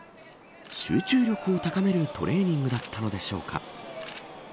集中力を高めるトレーニングだったのでしょうか。